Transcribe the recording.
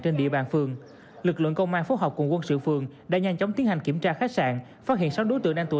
trên địa bàn tp hcm công an các địa phương đã chủ động tuyên truyền cho người dân